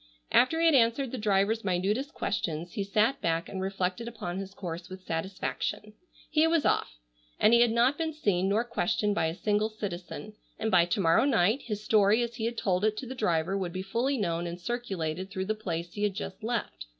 After he had answered the driver's minutest questions, he sat back and reflected upon his course with satisfaction. He was off, and he had not been seen nor questioned by a single citizen, and by to morrow night his story as he had told it to the driver would be fully known and circulated through the place he had just left.